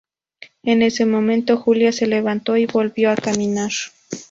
En ese momento Julia se levantó y volvió a caminar.